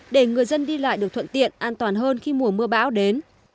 để người dân đi lại được thuận tiện an toàn hơn khi mùa mưa bão đến